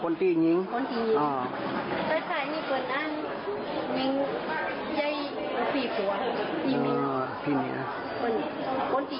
คนอีที่ที่ใดนี้จะให้เจอกัน